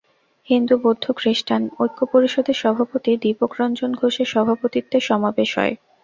হিন্দু বৌদ্ধ খ্রিষ্টান ঐক্য পরিষদের সভাপতি দীপক রঞ্জন ঘোষের সভাপতিত্বে সমাবেশ হয়।